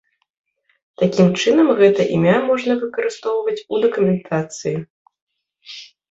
Такім чынам, гэта імя можна выкарыстоўваць у дакументацыі.